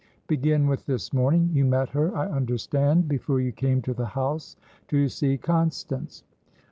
Begin with this morning. You met her, I understand, before you came to the house to see Constance."